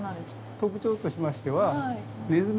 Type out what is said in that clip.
特徴としましてはネズミ！？